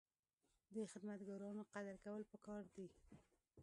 د خدمتګارانو قدر کول پکار دي.